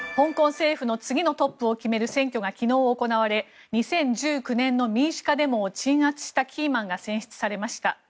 香港政府の次のトップを決める選挙が昨日行われ２０１９年の民主化デモを鎮圧したキーマンが選出されました。